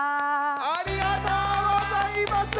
ありがとうございます！